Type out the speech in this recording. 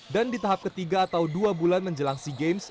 dan di tahap ketiga atau dua bulan menjelang sea games